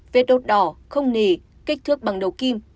vết đốt đỏ không nề kích thước bằng đầu kim